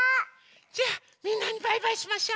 じゃあみんなにバイバイしましょ！